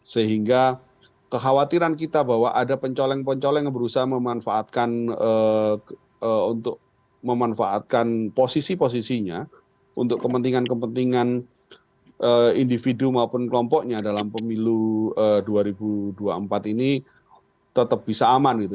sehingga kekhawatiran kita bahwa ada pencoleng pencoleng yang berusaha memanfaatkan untuk memanfaatkan posisi posisinya untuk kepentingan kepentingan individu maupun kelompoknya dalam pemilu dua ribu dua puluh empat ini tetap bisa aman gitu